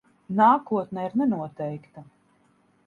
Nākotne ir nenoteikta.